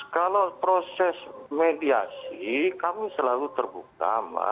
kalau proses mediasi kami selalu terbuka mbak